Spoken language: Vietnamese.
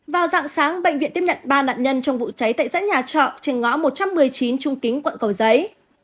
vào dạng sáng bệnh viện tiếp nhận ba nạn nhân trong vụ cháy tại dãy nhà trọ trên ngõ một trăm một mươi chín trung kính quận cầu giấy